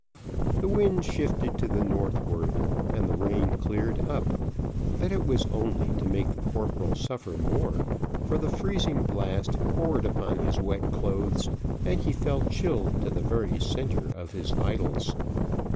The wind shifted to the northward, and the rain cleared up, but it was only to make the corporal suffer more, for the freezing blast poured upon his wet clothes, and he felt chilled to the very centre of his vitals.